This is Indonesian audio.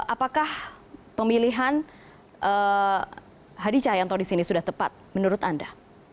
apakah pemilihan hadi cahayanto disini sudah tepat menurut anda